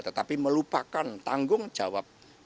tetapi melupakan tanggung jawab